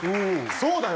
そうだよ